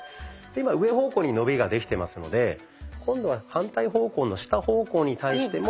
今上方向に伸びができてますので今度は反対方向の下方向に対しても。